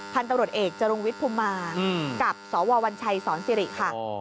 พันตรวจเอกจรุงวิทธิ์ภูมิมากับสววัญชัยสศิริค่ะ